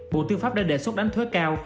bộ tư pháp đã đề xuất đánh thuế cao